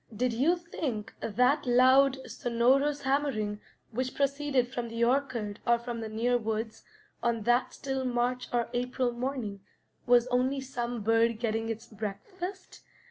Did you think that loud, sonorous hammering which proceeded from the orchard or from the near woods on that still March or April morning was only some bird getting its breakfast?